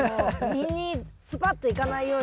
実にスパッといかないように。